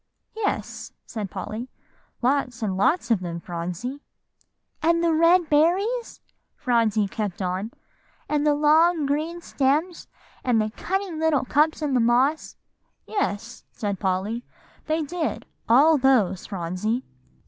"Yes," said Polly, "lots and lots of them, Phronsie." "And the red berries?" Phronsie kept on, "and the long green stems, and the cunning little cups in the moss." "Yes," said Polly, "they did; all those, Phronsie."